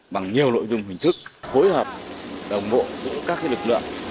bằng nhiều nội dung hình thức hối hợp đồng bộ với các lực lượng